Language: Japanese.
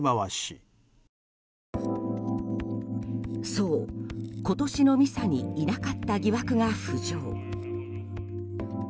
そう、今年のミサにいなかった疑惑が浮上。